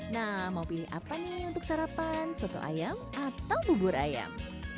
nah mau pilih apa nih untuk sarapan soto ayam atau bubur ayam